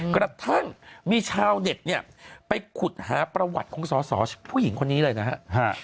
กำลังมีเช่าเน็กเนี่ยไปขุดหาประวัติของสาวพุทธคนนี้เลยนะฮะ